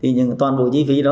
nhưng toàn bộ chi phí đó